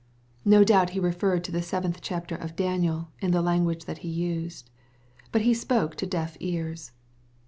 ) No doubt he referred to the seventh chapter of Daniel, in the language that he used. / But He spoke to deaf ears.